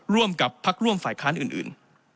ร่วมกับพักร่วมฝ่ายค้านอื่น